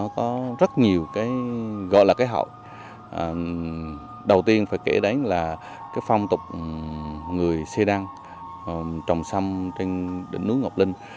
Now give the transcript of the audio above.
có rất nhiều cái gọi là cái hậu đầu tiên phải kể đến là cái phong tục người xê đăng trồng xâm trên đỉnh núi ngọc linh